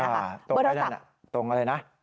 ตรงข้างเด้นน่ะตรงอะไรนะ